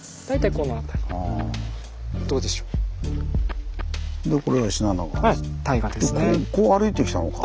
こう歩いてきたのか。